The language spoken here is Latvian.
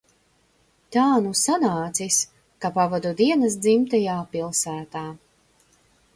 Tā nu sanācis, ka pavadu dienas dzimtajā pilsētā.